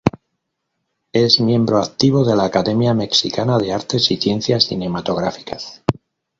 Es miembro activo de la Academia Mexicana de Artes y Ciencias Cinematográficas.